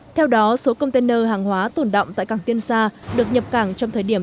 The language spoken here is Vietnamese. theo đó số container hàng hóa tổn động tại cảng tiên sa được nhập cảng trong thời điểm